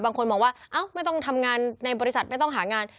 บางคนมองว่าไม่ต้องทำงานในบริษัทไม่ต้องหางาน